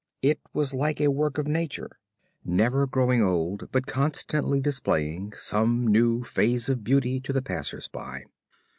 It was like a work of nature, never growing old, but constantly displaying some new phase of beauty to the passers by.